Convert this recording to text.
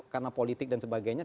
karena politik dan sebagainya